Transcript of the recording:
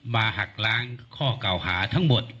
หักล้างข้อเก่าหาทั้งหมด